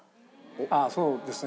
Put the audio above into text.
ああそうですね。